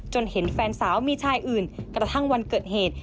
เห็นแฟนสาวมีชายอื่นกระทั่งวันเกิดเหตุ